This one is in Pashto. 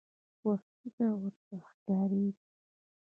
خوښي به ورڅخه ښکاریږي.